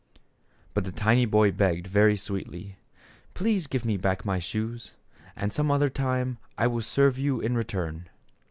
But the tiny boy begged very sweetly :" Please give me back my shoes, and some other time I will serve you in return."